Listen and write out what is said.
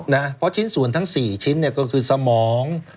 นะเพราะชิ้นส่วนทั้ง๔ชิ้นก็คือสมอง